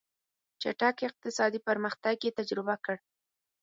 چټک اقتصادي پرمختګ یې تجربه کړ.